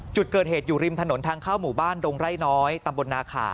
จุดเกิดเหตุอยู่ริมถนนทางเข้าหมู่บ้านดงไร่น้อยตำบลนาขา